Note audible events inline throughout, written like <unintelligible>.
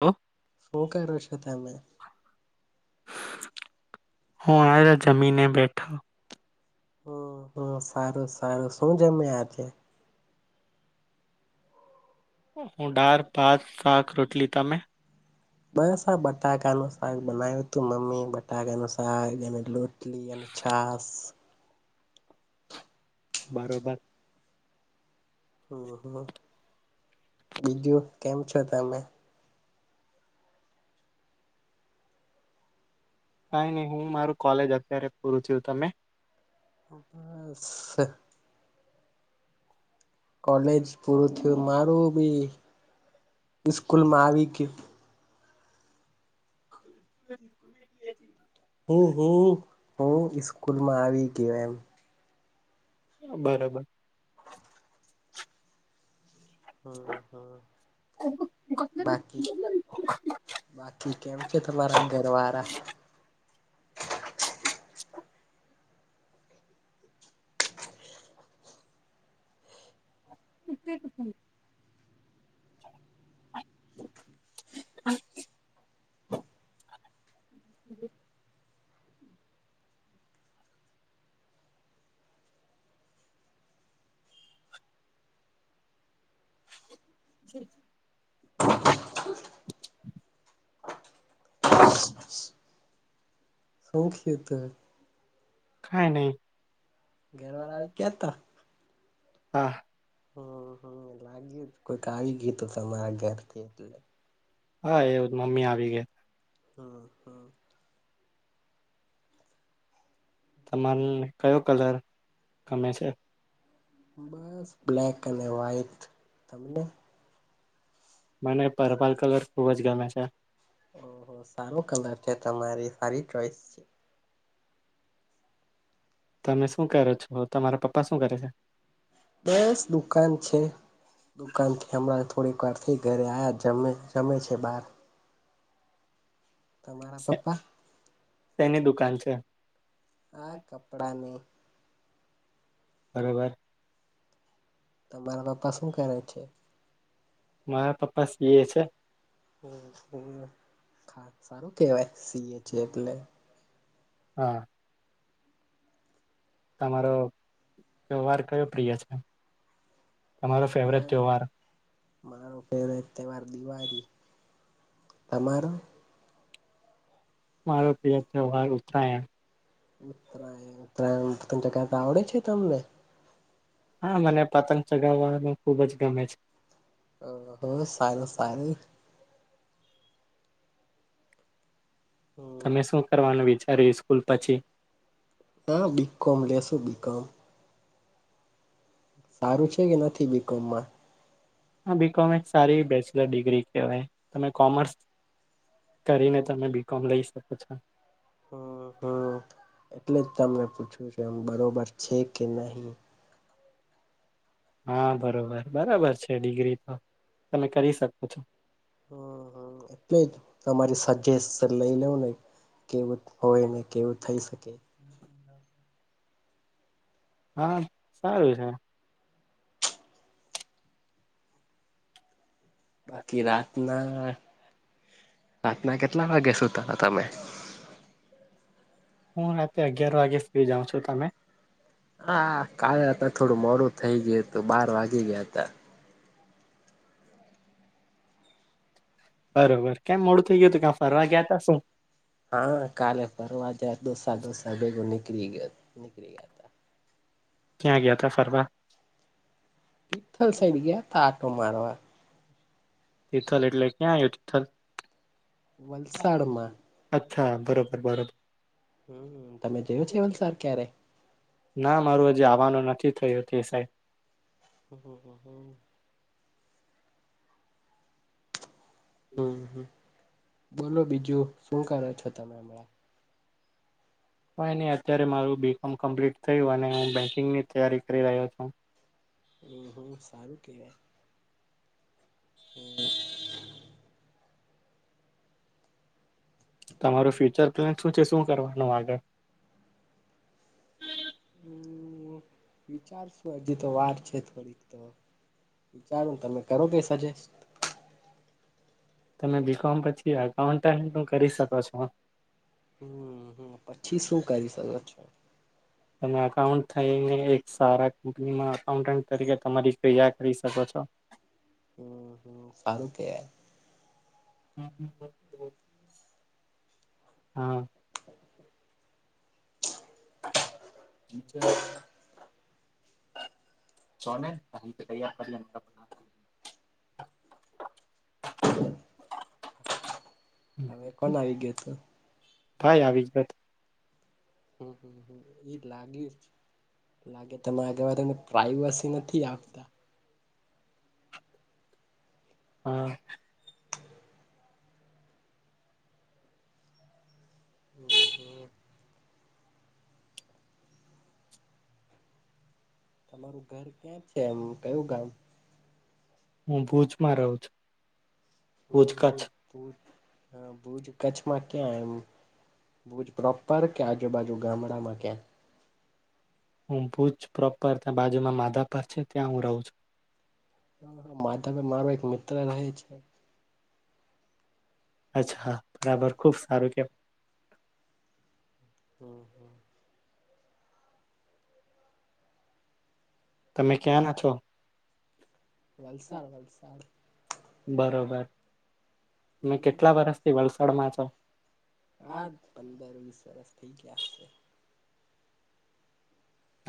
હ શું કરો છો તમે. હ આ જમીને બેઠો. હ સારું સારું શું જમે આજે. હું દાળ ભાત શાક રોટલી તમે. બસ આ બટાકાનું શાક બનાવ્યું હતું મમ્મી બટાકાનું શાક અને લોટ <unintelligible> અને છાસ. બરોબર. હમ્મ હમ્મ બીજું કેમ છો તમે. કઈ નહી હું મારું કોલેજ અત્યારે પૂરું થયું તમે. બસા કોલેજ પૂરું થયું મારું બી સ્કૂલ માં આવી <unintelligible> <inaudible> હમ્મ હમ હું ઈસ્કૂલમાં આવી ગયો એમ. બરોબર. હમ્મ હમ્મ બાકી બાકી કેમ છે તમારાંગરવાળા. <inaudible> <unintelligible> <inaudible> હ હ <inaudible> હા સૌખ્ય તો કાય નહી ઘરવાળ આવી કયા હતા હા હમ હમ લાગી કોઈક આવી ગીતું તમારા ઘરથી એટલે હા એ મમ્મી આવી ગયા હા હા તમારે કયો કલર ગમે છે બસ બ્લેક અને વ્હાઈટ તમને મને પર્પલ કલર ખુબ જ ગમે છે ઓહ સારું કલર છે તમારી સારી ચોઈસ છે તમે શું કરો છો તમારા પપ્પા શું કરે છે બસ દુકાન છે દુકાનથી હમણાં થોડીક વાર થી ઘરે આ્યા જમે જમે છે બાર તમારા પપ્પા તેની દુકાન છે આ કપડાને બરોબર તમારા પપ્પા શું કરે છે મારા પપ્પા સી એ છે સારું કેવાય સીએ છે એટલે હા તમારો વ્યવહર કયો પ્રિય છે તમારો ફેવરેટ ત્યોવાર મારો ફેવરેટ તહેવાર દિવાળી તમારો મારો પ્રિય તહેવાર ઉત્તરાયણ ઉત્તરાયણ ઉત્તરાયણ પતંગ ચગાવતા આવડે છે તમને હા મને પતંગ ચગાવવાનું ખુબ જ ગમે છે ઓહ સારું સારું હમ તમે શું કરવાનું વિચાર્યું સ્કૂલ પછી <inaudible> હા બીકોમ લેસે બીકોમ. સારું છે કે નથી બીકોમમાં હ બીકોમ એક સારી બેચલર ડિગ્રી કહેવાય તમે કોમર્સ કરીને તમે બીકોમ લઈ શકો છો. હમ હમ એટલે જ તમને પૂછ્યું છે એમ બરોબર છે કે નહીં. હા બરોબર બરાબર છે ડિગ્રી તો તમે કરી શકો છો. હમ હ એટલે જ તમારી સજેશન લઈ લવ ને કેવું હોય ને કેવું થઈ શકે હા સારું છે આખી રાતના રાતના કેટલા વાગે સુતા હતા તમે હું રાતેે અગિયાર વાગે જાઉં છું તમે હા કાલે હતા થોડું મોડું થઈ ગયું હતું બાર વાગી ગયા હતા બરોબર કેમ મોડું થઇ ગયું હતું કે્યા ફરવા ગયા ત શું હા કાલે ફરવા જયા દોસ્તાર દોસ્તાર ભેગો નીકળી ગયો નીકળી ગયા તા ક્યાં ગયા ત ફરવા તિથલ સઈડ ગયા ત આટો મારવા તિથલ એટલે ક્યાં આવ્યો તિથલ વલસાડમાં હા બરોબર બરોબર હમ તમે જોયો છે વલસાડ ક્યારે ના મારું હજ આવવાનો નથી થયો કે સાહે ઓહો હો હુહમ બોલો બીજું શું કરો છો તમે હમણાં હ નહી અત્યારે મારું બીકોમ કમ્પ્લીટ થયું અને હું બેંકિંગની તૈયારી કરી રહ્યો છું હુમ હુમ સારું કેવાય હુમ તમારું ફ્યુચર પ્લાન શું છે શું કરવાનું આગળ હુમ વિચારશું હુજ તો વાર છે થોડીક તો વિચારો તમે કરો કે સજેસ્ટ તમે બીકોમ પછી એકાઉન્ટ હુમ હુમ પછી શું કરી હવે - તમે અઉન્ટ થઈને એક સારા કંપનીમાં એકાઉન્ટન્ટ તરીકે તમારી ક્રિયા કરી શકો છો. હમ સારું કેવાય <inaudible> હા ફ્યુચર <inaudible> હવે કોણ આવી ગયું તું <inaudible> કઈ આવી <unintelligible> હમ હમ હમ એ લાગે જ લાગે તમારા ઘરમાં તમને પ્રાઈવસી નથી આપતા. હા હમ હમ તમારું ઘર ક્યાં છે એમ કયું ગામ હું ભુજમાં રહું છું ભુજ કચ્છ. હ ભુજ કચ્છમાં ક્યાં એમ? બુજ પ્રોપર કે આજુબાજુ ગામડામાં ક્યાં હું ભુજ પ્રોપર ત્યાં બાજુમાં માધાપ છે ત્યાં હું રહું છું માતા મારો એક મિત્ર રહે છે અચ્છા બરાબર ખુબ સારું કેમ હમ હમ તમે ક્યાં ના છો વલસાડ વલસાડ બરોબર બરોબર તમે કેટલા વરષથી વલસાડમાં છો હા પંદર વીસ વર્ષ થઈ ગયા છે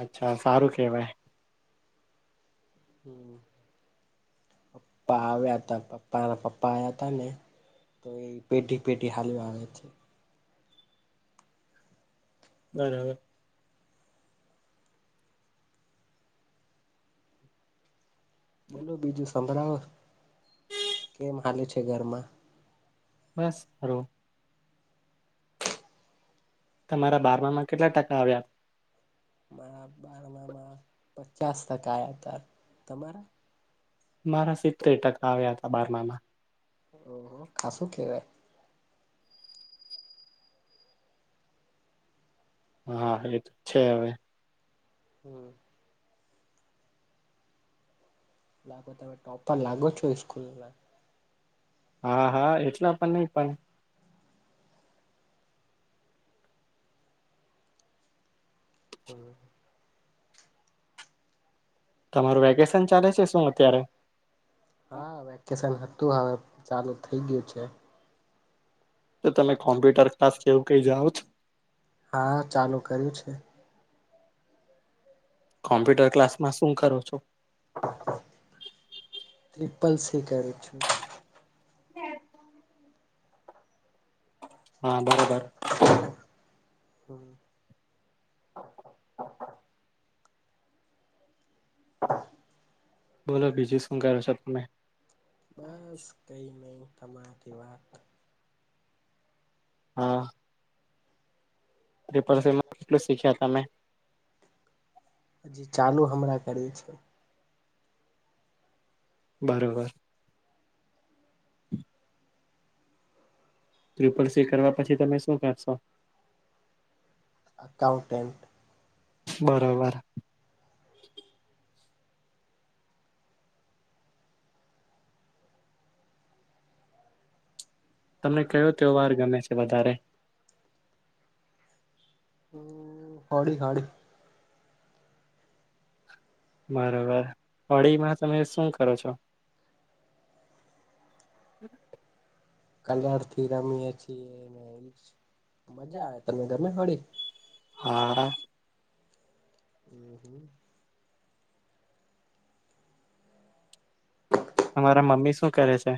અચ્છા સારું કેહેવાય પપ્પા હ આવે હતા પપ્પા રા પપ્પા આવ્યા હતા ને તો એ પેઢી પેઢી હાલ આવે છે બરાબર બોલો બીજું સંભળાવો કેમ હાલે છે ઘરમાં બસ હારો તમારા બારમામાં કેટલા ટકા આવ્યા મારા બારમામાં પચાસ ટકાયા હતા તમારા મારા સિત્તેર ટકા આવ્યા હતા બારમામાં ઓહો આ શું કેવાય? હા, એ તો છે હવે. હમ. લાગો, તમે ટોપર લાગો છો સ્કૂલના. હા, હા એટલા પણ નહી પણ હમ. તમારુ વેકેશન ચાલે છે શેન અત્યારે. હા, વેકેશન તું હવે ચાલુ થઈ ગયું છે. તો તમે કોમ્પ્યુટર ક્લાસ કેવું કઈ જાઓ છો <unintelligible> હા, ચાલુ કર્યું છે. કોમ્પ્યુટર ક્લાસમાં શું કરો છો? ટ્રિપલ સી કરુ છું. <inaudible> હા, બરોબર. હમ. <inaudible> <inaudible> બોલો, બીજી શું કરો છો તમે? બસ, કઈ નઈ તમારાથી વાત. હા. ત્રિપલ સી માં કેટલું શીખ્યા તમે <unintelligible> હજી ચાલુ હમણા કરીએ છે. <inaudible> બરોબર. ત્રિપલ બિલકુલ, સી કરવા સ્વીકારવા પછી પસી તમે શું કરશો? અકાઉટેન્ટ. બરોબર. તમને કયો તહેવાર ગમે છે વધારે? હમ, હોડી હોડી. બરોબર, હોડીમાં તમે શું કરો છો? <inaudible> કલરથી રમીએ છીએ ને મજા આવે. તમને ગમે હોડી? હા. હમ, હમ. તમારા મમ્મી શુ કરે છે?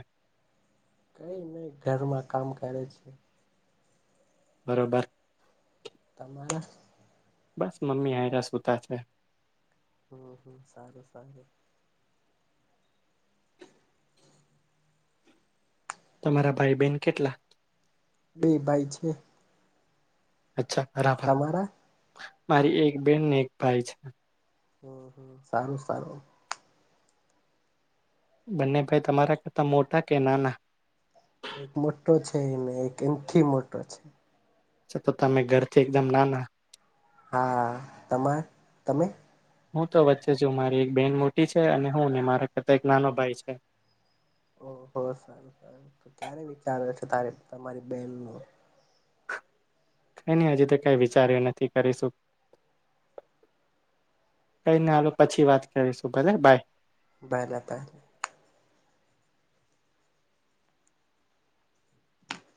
કઈ નઈ ઘરમાં કામ કરે છે. બરોબર. તમારા? બસ, મમ્મી આયરા સુતા છે. હમ, હમ. સારું, સારું. તમારા ભાઈ-બેન કેટલા છે? બે ભાઈ છે. અચ્છા, બરાબર. તમારા મારી એક બેન ને એક ભાઈ છે. હમ, હમ. સારું, સારું. બંને ભાઈ તમારા કરતા મોટા કે નાના? એક મોટો છે, ને એક એનથીય મોટો છે. છા. તો તમે ઘરથી એકદમ નાના. હા, તમાર. તમે? હું તો વચ્ચે છુ. મારી એક બેન મોટી છે. અને હું ને મારા કરતા એક નાનો ભાઈ છે. ઓહો. સારું, સારું તો ક્યારે વિચારે છે તારે તમારી બેનનું. કઈ નઈ હજી તો કઈ વિચાર્યું નથી કરીશું. કઈ નઈ આપડે પછી વાત કરીશું ભલે બાય. Bye bye by.